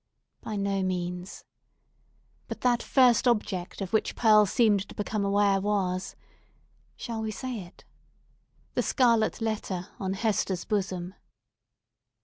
By no means! But that first object of which Pearl seemed to become aware was—shall we say it?—the scarlet letter on Hester's bosom!